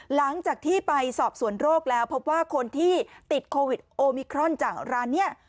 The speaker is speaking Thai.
หลังจากที่ไปสอบสวนโรคแล้วพบว่าคนที่ติดโควิดโอมิครอนจากร้านนี้